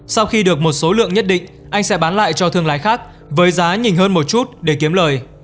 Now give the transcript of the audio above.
sau khi được một số lượng nhất định anh sẽ bán lại cho thương lái khác với giá nhìn hơn một chút để kiếm lời